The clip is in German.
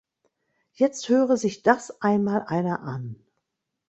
Jetzt höre sich das einmal einer an.